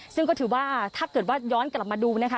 ซึ่งก็ถือว่าถ้าเกิดว่าย้อนกลับมาดูนะคะ